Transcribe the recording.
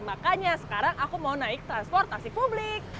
makanya sekarang aku mau naik transportasi publik